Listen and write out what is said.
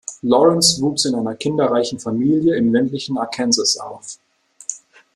Lawrence wuchs in einer kinderreichen Familie im ländlichen Arkansas auf.